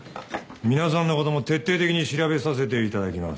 皆さんのことも徹底的に調べさせていただきます。